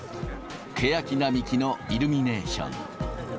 ケヤキ並木のイルミネーション。